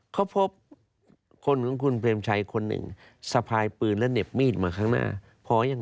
เขาพบคนของคุณเปรมชัยคนหนึ่งสะพายปืนและเหน็บมีดมาข้างหน้าพอยัง